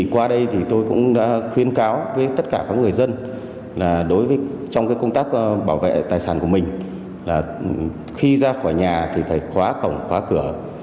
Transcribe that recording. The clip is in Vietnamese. qua đây thì tôi cũng đã khuyến cáo với tất cả các người dân là đối với trong công tác bảo vệ tài sản của mình là khi ra khỏi nhà thì phải khóa cổng khóa cửa